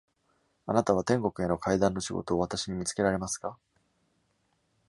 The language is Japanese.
あなたは、天国への階段の仕事を私に見つけられますか？